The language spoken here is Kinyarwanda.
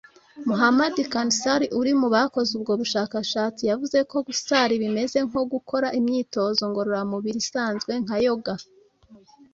Mohammad Khasawner uri mu bakoze ubwo bushakashatsi yavuze ko gusari bimeze nko gukora imyitozo ngororamubiri isanzwe nka yoga